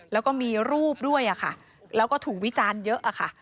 แล้วก็มีรูปด้วยค่ะแล้วก็ถูกวิจารณ์เยอะอะค่ะ